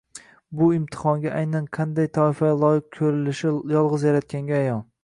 Bu imtihonga aynan qanday toifalar loyiq ko‘rilishi yolg‘iz Yaratganga ayon.